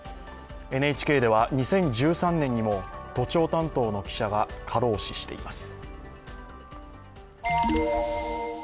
ＮＨＫでは２０１３年にも都庁担当の記者が過労死しています。